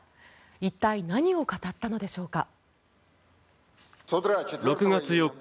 一体、何を語ったのでしょうか。